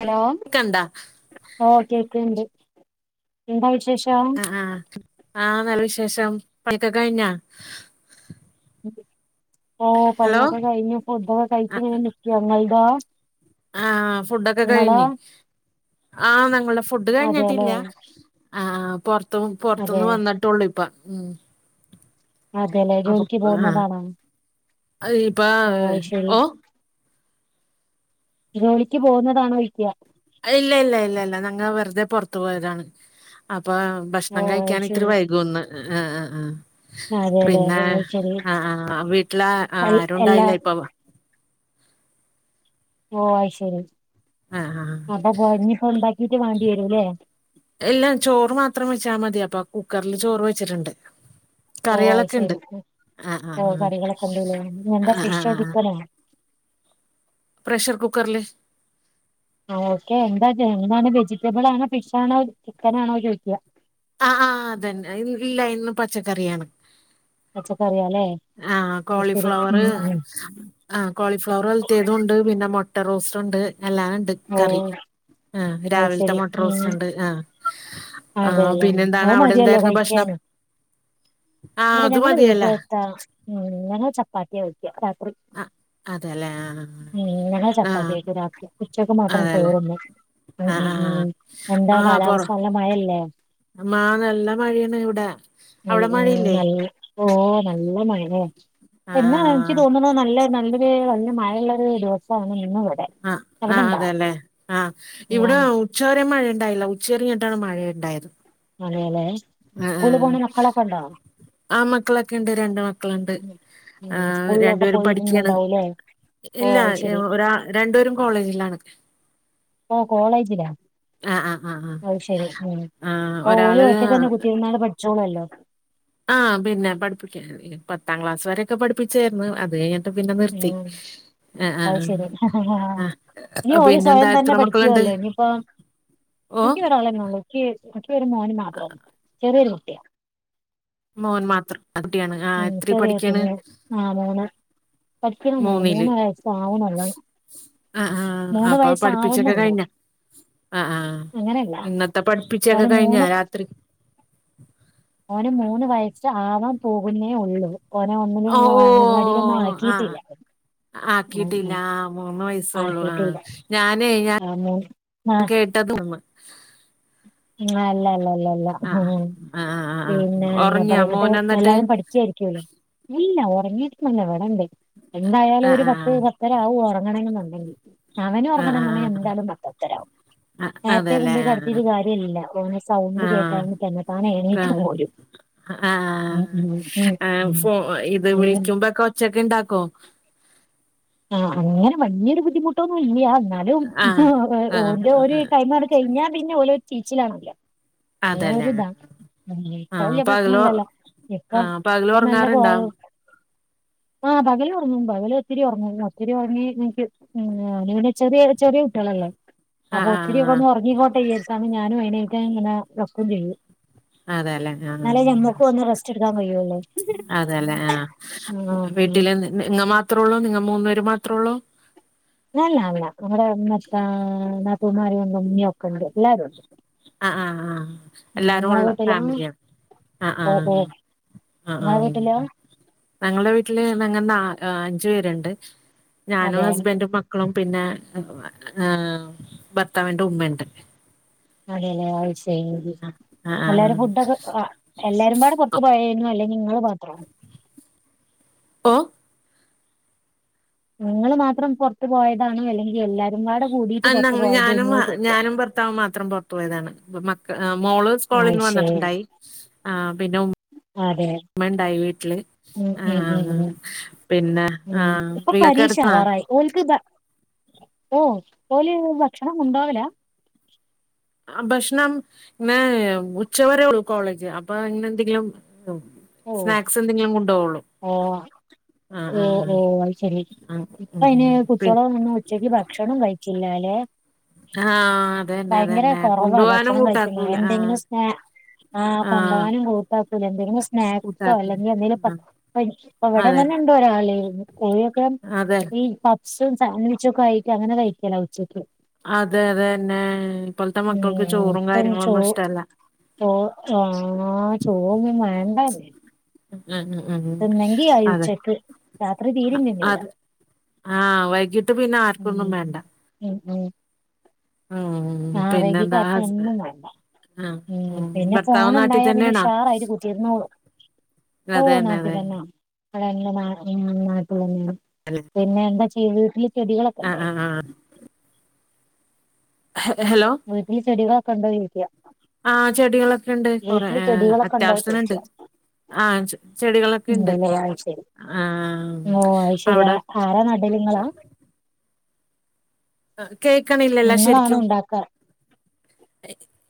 Hello ക്കണ്ടാ ഓ കേക്കണ്ട് എന്താ വിശേഷം ആ ആഹ് ആഹ നല്ല വിശേഷം പണിക്കൊക്കെ കഴിഞ്ഞാ ഓ പണി ഹലോ ഒക്കെ കഴിഞ്ഞു ഫുഡ്‌ ഒക്കെ കഴിച്ച് ഇങ്ങനെ നിക്കാ [unintelligible] ആഹ ഫുഡൊക്കെ കഴിഞ്ഞി ആ ഞങ്ങൾ ഫുഡ് അതെല്ലേ കഴിഞ്ഞിട്ടില്ല ആ അതെ പൊറത്തുന്നു വന്നിട്ടുള്ളൂ ഇപ്പ ഉം അതെല്ലെ അപ്പൊ ജോലിക്ക് ആ പോകുന്നതാണോ ഇപ്പ ഓ ശരി ഓ ജോലിക്ക് പോകുന്നതാണോ [unintelligible] ഇല്ല ഇല്ല ഇല്ല ഇല്ല ഞങ്ങ വെറുതെ പൊറത്തു പോയതാണ് ഇപ്പ ഭക്ഷണം ഓ അത് കഴിക്കാൻ ഇത്തിരി ശരി വൈകൂന്ന് അതെല്ലേ പിന്നെ അത് ശരി ആ വീട്ടില് എൽ എല്ലാ ആരുണ്ടായില്ലേ ഇപ്പൊ ഓ അ ശരി ആ ആ അപ്പൊ ഇനിപ്പോ ഉണ്ടാക്കിട്ട് വേണ്ടി വരുല്ലേ എല്ലാ ചോറ് മാത്രം വെച്ചാ മതി അപ്പൊ കുക്കറില് ചോറ് വെച്ചിട്ടുണ്ട് ഓ കറികളൊക്കെ ഉണ്ട് അയിശരി ആ ആ ഓ കറികളൊക്കെ ഇണ്ട്ലേ എന്താ ഫിഷ് ആ ചിക്കൻ ആ പ്രഷർ കുക്കറില് ആ ഓക്കെ എന്താ എന്താണ് വെജിറ്റബിളാണോ ഫിഷാണോ ചിക്കനാണോ ചോദിക്യാ ആ ആ് അതന്നെ ഇല്ല ഇന്ന് പച്ചക്കറിയാണ്. പച്ചക്കറിയാ ആ കോളിഫ്ലവർ ആ കോളിഫ്ലവർ ഉലത്തേതും ഉണ്ട് പിന്നെ മു- മുട്ട റോസ്റ്റ് ഉണ്ട് [unintelligible] ഓ കറി. ആഹ് അത് രാവിലത്തെ ശരി മൊട്ട റോസ് ഉം ഉണ്ട് ആ ആ അതെല്ലേ പിന്നെ എന്താണ് അത് അവിടെ മതിയല്ലോ എന്തായിരുന്നു ഭക്ഷണം? ആ ഇ അത് ഞങ്ങള് [unintelligible] മതിയല്ല ഞങ്ങള് ചപ്പാത്തിയാ വയ്ക്ക രാത്രി അതെല്ലേ ആ ഉം ഞങ്ങൾ ആ ചപ്പാത്തി കഴിക്കാ രാത്രി ഉച്ചക്കെ ആ, അതല്ലേ മാത്രേചോറുണ്ണു ആഹ് ഉ ഉം ഉം ആഹ് എന്താ ആഹ് പൊറ കാലാവസ്ഥല്ല മഴല്ലേ? മാ നല്ല മഴാണ് ഇവിടെ ഉ അവിടെ മഴയില്ലേ നല്ല ഓ നല്ല മഴ എന്നാ എനിക്ക് ആഹ് തോന്നണ നല്ല- നല്ലൊരു വലിയ മഴയുള്ള ഒരു ദിവസാണ് ഇന്ന് ഇവിടെ ആ ആ് അവിടെണ്ടോ അതെല്ലെ ആഹ് ഇവിടെ ആഹ് ഉച്ചവരേം മഴ ഇണ്ടായില്ല ഉച്ച ഇറങ്ങിട്ടാണ് മഴയ ഇണ്ടായത് അതെലെ സ്കുളി പോണ മക്കളൊക്കെയുണ്ടോ? ആ മക്കളൊക്കെണ്ട് രണ്ട് മക്കളുണ്ട് ഉം ആ സ്കൂളിലൊക്കെ രണ്ടുപേരും പഠിക്കയാണ്. പോയിരുന്നുണ്ടാവൂലേ ഓ ഇല്ല അത് ശരി ഒ രണ്ടുപേരും കോളേജിലാണ്. ഓ കോളേജിലാ! ആഹ് ആഹ് ആഹ് ആഹ് അത് ശരി ആഹ് അപ്പൊ ഓല ഒറ്റക്ക തന്നെ കുത്തിയിര്ന്നാല് പഠിച്ചോളല്ലോ ആഹ പിന്നെ പഠിപ്പിക്കാ പത്താം ക്ലാസ് വരൊക്കെ പഠിപ്പിച്ചായിരുന്നു. അത് കഴിഞ്ഞ- പിന്നെ നിർത്തി. ഉം ആഹ് അത് ആഹ് ശരി ആഹ് ഇനി ആഹ് ഓള് പിന്നെന്താ സ്വയം തന്നെ എത്ര മക്കളുണ്ട് പഠിക്കുവല്ലോ ഇനിയിപ്പ ഓ എനിിക്കക്ക് ഒരാളന്നള്ളൂ എി ഒരു മോന് മാത്രന്ന ചെറിയൊരു കുട്ടിയാ മോൻ മാത്രം കുട്ടിയാണ് ആ ഉം എത്രി ചെറിയ പഠിക്യാണ്? പഠിക്കണല്ല മൂന്നര വയസ്സ ആവുനള്ളു ആ ആഹ! അപ്പൊ പഠിപ്പിച്ചൊക്കെ കഴിഞ്ഞ ആ ആഹ! അങ്ങനെയല്ല ഇന്നത്തെ പഠിപ്പിച്ചൊക്കെ ഓന് കഴിഞ്ഞാ രാത്രി. അവന് മൂന്ന് വയസ് ആവാൻ പോകുന്നേ ഉള്ളൂ. പോഓനെ ഒന്നിനും ഓ ഓ അംഗനവാടിലൊന്നും ആഹ് ആക്കിയിട്ടില്ല. ഉം ആക്കിട്ടില്ല ഉം ആ മൂന്ന് വയസള്ളൂ ആ ആക്കിയിട്ടില്ല ഞാനേ ഞൻ ആ മൂ ആ കേട്ട- [unintelligible] ആ അല്ല അല്ല അല്ല. ല്ല ല്ല ആഹ് ആഹ് പിന്നെ ആഹ് എന്താ ഉറങ്ങിയാ പറയന്നിട്ട് മോന് എന്നിട്ട് എല്ലാവരും പഠിച്ചായിരിക്കല്ലോ ഇല്ല ഉറങ്ങിട്ട- നല്ല ഇവിടെണ്ട് എന്തായാലും ആഹ് ഒരു പത്ത് ആഹ് പത്തര ആവും ഉറങ്ങണെന്നുണ്ടെങ്കിൽ ആഹ് അവനോറങ്ങണം എന്താലും പത്തു പതരാവും ആഹ് ആഹ് അ നേരത്തെ അതെല്ലേ കൊണ്ടയി ആഹ് കടത്തിട്ട് കാര്യല്ല. ല്ല ഓനെ സൗണ്ട് കേട്ടാ ആഹ് തന്നെ താൻ എഴനീറ്റ് പോരും ഉം അഹ് ഉം ഉം ആഹ് ഉം ഫ ഇത് അങ്ങനെ വിളിക്കുമ്പോക്കെ കൊച്ചൊക്കെ ഇണ്ടാക്ക- കൊ ആഹ് അങ്ങനെ വല്യോരു ബുദ്ധിമുട്ടൊന്നും ഇല്ല. ആഹ് ആഹ് എന്നാലുംഓന്റെ ഒരു ആഹ് ടൈം അണ് കഴിഞ്ഞാ പിന്നെ ഓലൊരു ചീച്ചിലാണല്ലോ അതെല്ലേ വേറൊരിത ഉ ഇപ്പ ആഹ് വല്യ പകല് പ്രശ്നല്ലല്ലോ ഇപ്പ ആഹ് പകല് ഇപ്പ നല്ല പോ- ഒറങ്ങാറുണ്ടോ ആഹ് പകല ഉറങ്ങന്ന പകല ഒത്തിരി ഉറങ്ങു ഉ ഒത്തിരി ഉറങ്ങി ഉ നീറ്റു ചെറിയ ചെറിയ കുട്ടികളല്ലോ അപ്പൊ ആഹ് ഒത്തിരി ഒക്കെ ആഹ് ഒന്ന് ഉറങ്ങിക്കോട്ടെരിച്ചാ ഞാനും അയ്നെറ്റ് ഇങ്ങനെ ഒരക്കും ചെയ്യും അതെല്ലേ ആഹ് എന്നാലേ ഞമ്മക്കും [unintelligible] അതെല്ലെ ആഹ ആഹ് വീട്ടില് നിങ്ങ മാത്രേ ഉള്ളൂ നിങ്ങ മൂന്ന- മാത്രേ ഉള്ളൂ? അല്ല അല്ല അവിടെ ഇമ്മ ഇപ്പാ നാത്തൂൻമാര് രണ്ടും ഇമ്മിം ഒക്കണ്ടെ എല്ലാരുംണ്ട് ആ ആ ആ എല്ലാരും ഉള്ള വീട്ടിലാ ഫാമിലിയാണ് ആ ആ ഓ ഓ ആ ആ നിങ്ങളെ വീട്ടിലോ ഞങ്ങളുടെ വീട്ടില് ഞങ്ങൾ നാ ആ അഞ്ചു പേരുണ്ട് ഞാനും അതെ ഹസ്ബൻറും മക്കളും പിന്നെ ഭർത്താവിന്റെ ഉമ്മണ്ട് അതെല്ലെ അയ് ശരി ആഹ് എല്ലാരും ഫുഡ് ഒക്കെ എല്ലാരും പാടെ പുറത്ത് പോയി അല്ലെങ്കി നിങ്ങളെ മാത്രം ഓ നിങ്ങള്ൾ മാത്രം പുറത്ത് പോയതാണോ അല്ലെങ്കിൽ എല്ലാര പങ്ങാടെ കൂടിട്ട് ആ പൊറത്തു ഞങ്ങ ഞാനും പോയതെയ്ന്നിയേയനിചോയ്ക്കാ ഞാനും ഭർത്താവും മാത്രം പുറത്തു പോയതാണ് മക്ക മോള് സ്കോളന്ന് ശരി വന്നിട്ടുണ്ടായി ആ പിന്നെ ഉ ഉമ്മണ്ടായി വീട്ടില് ഉ ഉം ഉം ആഹ് ഉ പിന്നെ ഉ ആഹ് ഇപ്പൊ വീടൊക്കെ അടുത്താ പരീക്ഷാവാറായി ഓൽക്ക് ഇതാ ഓ ഓല് ഭക്ഷണം കെണ്ടോവലാ ആ ഭക്ഷണം ഇങ്ങനെ ഉച്ചവരെേ ഉള്ളു കോളേജ് അപ്പൊ ഇങ്ങനെ എന്തെങ്കിലും ഉ ഓ സ്നാക്സ് എന്തെങ്കിലും കൊണ്ടപോകള്ളൂ ഓ ഓ ഓ അയ് ശരി ഇപ്പ ഉം അതിന് ഉം പിൻ കുട്ടോള ഒന്ന് ഉച്ചക്ക് ഭക്ഷണം കഴിക്ക ഇല്ല ലെ ആഹ് അതന്നെ ഭയങ്കര അതന്നെ കുറവാ കൊണ്ടുപോവാനും ഭക്ഷണം കഴിക്കുന്നു കൂട്ടാക്കൂല ആഹ് എന്തെങ്കിലും സ് ആ കൊണ്ട് ആഹ് പോകാനും കൂട്ടാക്കൂലാ എന്തെങ്കിലും സ്നാക്സോ കൂട്ടാക്കൂ അല്ലെങ്കിൽ എന്തേലും പ ആഹ് ഇപ്പം ഇവിടെ അതെ തന്നെ ഉണ്ടോ ഒരാള് [unintelligible] അതെ ഈ പപ്സും സാൻഡ് വിച്ച് ഒക്കെ ആയിട്ട് അങ്ങനെ കഴിക്കലാ ഉച്ചക്ക് അതെ അതെ തന്നെ ഇപ്പോലത്തെ മക്കൾക്ക് ചോറും കാര്യങ്ങളൊന്നും ഇഷ്ടല്ല ആ ചോറെന്നും വേണ്ടെനെ ഉം ഉം ഉം ഉ അതെ ഉച്ചക്ക് രാത്രി തീരിം തിന്നൂല അത ആ വൈകിട്ട് പിന്നെ ആർക്കൊന്നും ഉം വേണ്ട ഉം ആ വൈകിട്ട് പിന്നെന്താ ഹസ് ആര്ക്കുംഒന്നും വേണ്ട ആഹ് ഉം പിന്നെ ഭർത്താവ് നാട്ടിൽ ഫോൺണ്ടായാ പിന്നെ തന്നെയാണോ ഉഷാറായിട്ട് കുത്തിരുന്നോളു ഓ അതന്നെ അതന്നെ നാട്ട്തന്നാ അവിടെ നാ ഞ നാട്ടിൽ തന്നെയാണ് അല്ലെ പിന്നെ എന്താ ചെയ്യ വീട്ടിൽ ചെടികളൊക്കെ ആ ആ ഉണ്ടായി ആ ഹെ- ഹലോ വീട്ടില് ചെടിവാക്കണ്ടോ ചേയിക്കാ ആ ചെടികളൊക്കെ ഉണ്ട് കൊറെ ചെടികളൊക്കെ ഉണ്ടോ ചോദിക്ക അത്യാവശ്യനുണ്ട് ആ ചെടികളൊക്കെ ഇണ്ട് ഓ അയ് ശരി ആരാ നടല് ഇങ്ങളാ കേൾക്കണില്ലല്ലോ നിങ്ങളാണോ ശരിക്കും ഉണ്ടാക്ക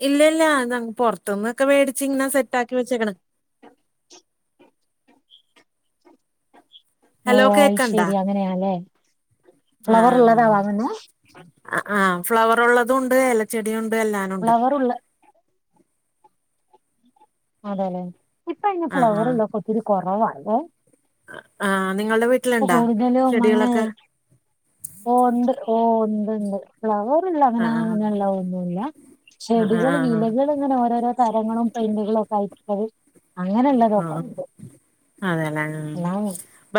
ഇല്ല ഇല്ല പുറത്തന്നൊക്കെ മേടിച്ച ഇങ്ങനെ സെറ്റ് ആക്കി വെച്ചേക്കണം ഓ ഹലോ അയ് കേക്കണ്ടാ ശരി അങ്ങനെയല്ലേ ആ ഫ്ലവർ ഉള്ളാതാ വങ്ങുന്നെ ഫ്ലവർള്ളതും ഉണ്ട് ഏലച്ചെടിയ ഉണ്ട് എല്ലാനുണ്ട് ഫ്ലവർ ഉള്ള അതെ അല്ലെ ഇപ്പ ഇപ്പം ആ ആ ഫ്ലവർള്ളക്കെ ഒത്തിരി കുറവാ ല്ലേ ആ നിങ്ങളുടെ ഇപ്പം വീട്ടിലുണ്ടാ കൂടുതലും അങ്ങനെ ചെടികളൊക്കെ ഓണ്ട് ഓ ഉണ്ട്ണ്ട് ഫ്ലവർ ആ അങ്ങനെ ആ അങ്ങനെ ഉള്ള ഒന്നുമല്ല ആ ആ ചെടികൾ ആ വിലകൾ ഇങ്ങനെ ഓരോരോ തരങ്ങളും പെയ്ന്റ്കളും ഒക്കെ ആയിട്ട് ഉള്ളത് ആ ആ അങ്ങനെുള്ളതൊക്കെണ്ട് അതെല്ലേ ഉം എന്ന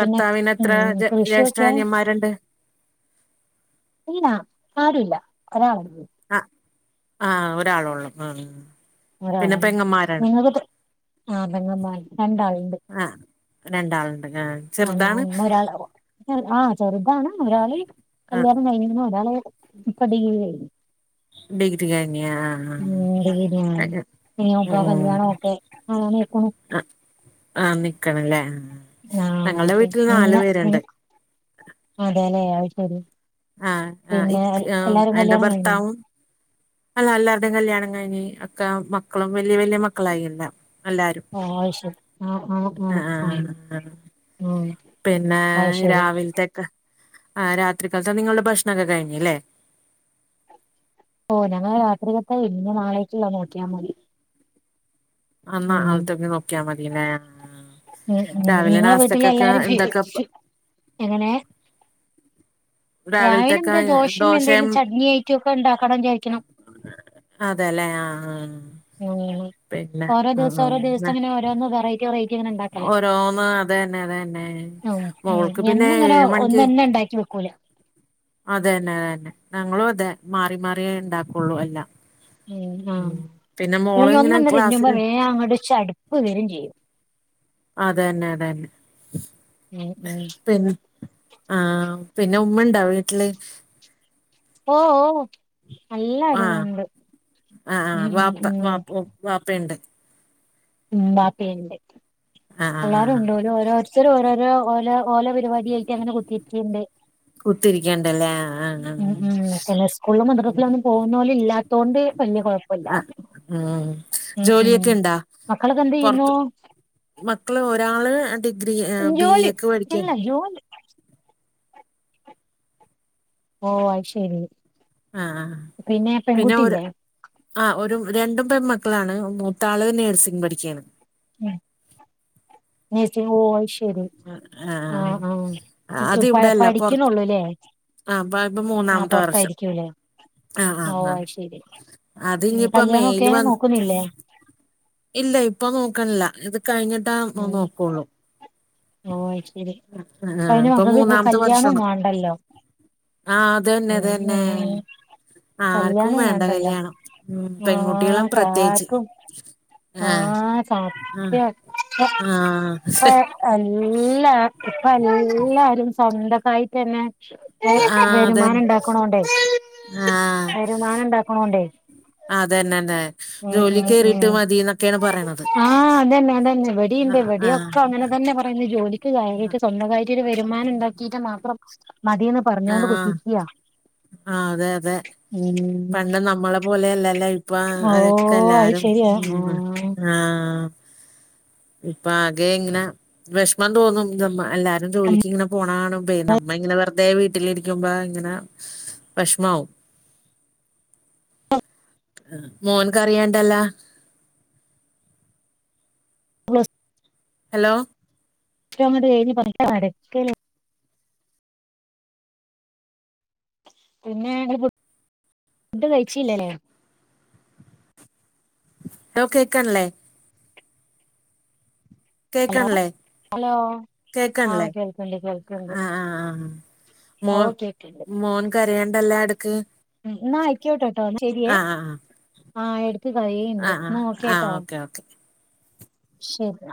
പിന്നെ എത്ര ഉം കൃഷിയൊക്കെ ജേഷ്ഠാഅനിയൻമാരുണ്ട് ഇല്ല ആരും ഇല്ല ഒരാള് ഒള്ളൂ ആ ആ ഒരാള് ഒള്ളൂ ഉ ഒരാളാണ് നിങ്ങളടുത്ത് ആഹ് പെങ്ങമ്മാര് രണ്ടാള്ണ്ട്. ആ രണ്ടാളുണ്ട് ആ ന ന്ന ഒ ചെറുതാണ് ഒരാൾ ആ ചെറുതാണ് ഒരാള് ആ കല്യാണം കഴിഞ്ഞ ന്ന് ഒരാള് ഇപ്പ ഡിഗ്രി കഴിഞ്ഞ് ഡിഗ്രി കഴിഞ്ഞ് ആ ആഹ് അ ഇനി നോക്കാ കല്യാണം ഒക്കെ ആ നോക്കണം. ആഹ് നിക്കണല്ലേ ആ ഞങ്ങളുടെ വീട്ടിൽ ശരി നാലു പേരുണ്ട് [unintelligible] അതെല്ലേ ആ ശരി ആഹ് ആ പിന്നെ ഇക് എല്ലാരും എന്റെ കല്യാണം കഴിഞ്ഞോ ഭർത്താവും അല്ല എല്ലാവരുടെയും കല്യാണം കഴിഞ്ഞ് ഒക്ക മക്കളും വല്യ വല്യ മക്കളായി എല്ലാം. ആഹ് ശരി ആ ആ ആ ആ ആഹ് ആഹ് ഉം പിന്നെ അത് ശരി രാവിലെത്തെക്ക് ആ രാത്രി കാലത്തെ നിങ്ങളുടെ ഭക്ഷണം ഒക്കെ കഴിഞ്ഞ് ഇല്ലേ ഓഹ് ഞങ്ങടെ രാത്രിലത്തെ കഴിഞ്ഞു ഇനി നാളേക്കുള്ള നോക്കിയാൽ മതി. അന്നാ ഉം നാളത്തേക്കി നോക്കിയാ മതില്ലേ. ഉം ഉ രാവിലെ നിങ്ങളെ വീട്ടിൽ നാസ്തക്കൊക്കെ എല്ലാരും എന്തൊക്കെ [inaudible] എങ്ങനെ രാവിലെ രാവിലത്തൊക്കെ എന്താ ദോശേം ദോശയും എന്തെലും ചട്നി ഐറ്റം ഒക്കെ ഉണ്ടാക്കണം വിചാരിക്കണം. അതെല്ലേ ആ ആ ങാ പിന്നെ ഓരോ ആ ദിവസം ഓരോ ദിവസം ആ അങ്ങനെ ഓരോന്ന് വെറൈറ്റി വെറൈ റ്റി ങ്ങനെ ണ്ടാക്കല ഓരോന്ന് അതന്നെ അതന്നെ അ ഉ മോൾക്ക് പിന്നെ എന്നും ഇങ്ങനെ ഒന്ന് തന്നെ ഉണ്ടാക്കി വെക്കൂലേ. അത് തന്നെ അതന്നെ ഞങ്ങളും അതെ മാറി മാറിയേ ഉണ്ടാക്കുള്ളൂ എല്ലാം. ഉം ആഹ് പിന്നെ മോള് അല്ലെങ്കി ഇങ്ങനെ ഒന്നന്നെ തിന്നുമ്പോ ക്ലാസ്സില് വേഗം അങ്ങോട് ശടുപ്പ് വരും ചെയ്യും. അതന്നെ അതന്നെ ഉം ഉം പിന് ആ പിന്നെ ഉമ്മണ്ടാ വീട്ടില് ഓഹ് ഓഹ് എല്ലാരും ആഹ് ഉണ്ട് ആഹ് ആഹ് ഉം ഉം വാപ്പ ഉം വാപ്പ വാപ്പയുണ്ട് ഉം ബാപ്പിയിണ്ട് ആഹ് ആഹ് എല്ലാരും ആഹ് ഉണ്ടേ ഓരോര് ത്തർ ഓരോരോ ഓല ഓല പരിപാടിയിലായിട്ട് അങ്ങനെ കുത്തിയിരിക്കയുണ്ട്. കുത്തിരിക്കണ്ടല്ലേ ആഹ് മ് ആഹ് മ് സ്കൂളിലും മദ്രസിലും ഒന്നും പോകുന്നോള് ഇല്ല. അതോണ്ടയ് വല്യ കൊഴപ്പില്ല ആഹ് ഉം ഉം ജോലിയൊക്കെ ഇണ്ടാ മക്കളക്കെ എന്ത് ചെയ്യുന്നു. പൊറത്ത് മക്കള് ഒരാള് ഡിഗ്രി ബി ജോലി എക്ക് അല്ല പഠിക്കാണ്. ജോലി ഓ അത് ശരി ആഹ് പിന്നെ പെൺകുട്ടില്ലേ ആ ഒരു രണ്ടും പെൺമക്കളാണ് മൂത്ത ആള് നഴ്സിംഗ് പഠിക്കുകയാണ്. നെയ്‌സിങ്ഓ ഉം ഉം ആ ആഹ് ആ ഇത്പോ അത് പോ ഇവിടെയല്ല പൊറത്ത് പഠിക്കുന്നുള്ളൂല്ലേ. ആഹ് ഇപ്പ ആ മൂന്നാമത്തെ വർഷം പൊറത്തായിരിക്കൂല്ലേ ആഹ് ഓ ആഹ് ആഹ് ശരി അത് ഇനിയിപ്പോ കല്യാണം മെയിൽ ഒക്കെ വന്ന് നോക്കുന്നില്ലേ. ഇല്ല ഇപ്പൊ നോക്കണില്ല ഇത് കഴിഞ്ഞിട്ടാ പ്പോ ഉം ന്നോക്കുള്ളൂ. ഓ ശരി പ്പോ അയ്ന് ഇപ്പൊ മക്കക്ക് മൂന്നാമത്തെ കല്യാണം വർഷമാണ് വാണ്ടല്ലോ. ആ അത് തന്നെ ഉം അത് തന്നെ അങ്ങനെണ് ആർക്കും കല്യാണം വേണ്ട വേണ്ടല്ലോ കല്യാണം ഉം പെൺകുട്ടികളും ആ പ്രത്യേകിച്ച് ആർക്കും ആ ആ സത്യം [inaudible] ആ എല്ലാ ഇപ്പ എല്ലാരും സ്വന്തക്കായി തന്നെ ആ വേ അതന്നെ ആ വരുമാനം ഉണ്ടാക്കണോണ്ടേ അതന്നെ ന്നെ ഉം ജോലി ഉം ഉം കയറിട്ട് മതി എന്നൊക്കെയാണ് പറയണത്. ആഹ് അതന്നെ അതന്നെ ഇവടെയുണ്ട് ആ ആ ഇവടെയൊക്കെ അങ്ങനെ തന്നെ പറയുന്ന ജോലിക്ക് കേറീട്ട് സ്വന്തം കാര്യയി വരുമാനം ഉണ്ടാക്കിട്ട് മാത്രം മതിയന്ന് പറഞ്ഞൊണ്ട് കുത്തിരിക്കയാ ആ അതെ അതെ പണ്ട് നമ്മളെ പോലെയല്ലല്ല ഇപ്പാ ഓ ആ അതൊക്കെ അത് എല്ലാരും ശരിയാ ഉ ആഹ് ആ ഇപ്പംആകെ ഇങ്ങനെ വിഷമം തോന്നുന്ന മ്മ എല്ലാരും ജോലിക്ക് ഇങ്ങനെ പോണ കാണുമ്പേ നമ്മ ഇങ്ങെ വെറുതെ വീട്ടിലിരിക്ക്ണ് കാണുമ്പ ഇങ്ങനെ വിഷമാവും. മോനക്കറിയാണ്ടല്ല. മ്യുസ് ഹലോ [unintelligible] എഴുതി പതുകെ നടക്കല് പിന്നെ ങ്ങൾ ഫുഡ് കഴിച്ചില്ലയ്നോ? ആ കേക്കണല്ലേ? ഹലോ കേൾക്കണില്ലേ? ഹലോ കേൾക്കണില്ലേ? ആഹ് കേൾക്കണ്ട് കേൾക്കണ്ട് ആ ആ ആ മോ ഓ കേൾക്കണ്ട് മോൻ കരയേണ്ടല്ലാം അടുത്ത് ന്ന ആയികോട്ടേകോട്ടോ ശെരിയെ ആഹ് ആഹ് ആഎ മഴയുണ്ട്. ആഹ് എന്ന ആഹ് ഓകെ കേട്ടോ. ആഹ് ഓക്കെ ഓക്കെ ശരി.